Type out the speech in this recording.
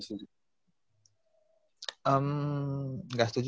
setuju apa gak setuju